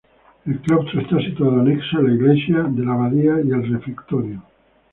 El claustro está situado anexo a la iglesia de la abadía y el refectorio.